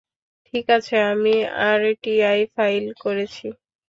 ঠিক আছে, আমি আরটিআই ফাইল করেছি।